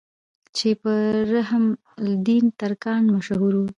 چې پۀ رحم الدين ترکاڼ مشهور وو